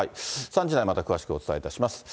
３時台、また詳しくお伝えします。